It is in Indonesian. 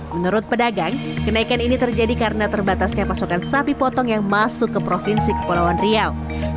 menurut pedagang kenaikan ini terjadi karena terbatasnya pasokan sapi potong yang masuk ke provinsi kepulauan riau